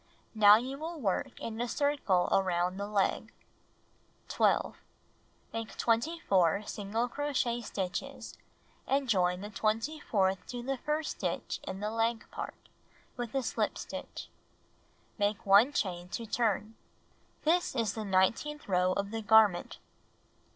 Now you will work in a circle around the leg. 12. Make 24 single crochet stitches, and join the twenty fourth to the first stitch in the leg part, with a slip stitch. Make 1 chain to turn. This is the nineteenth row of the garment.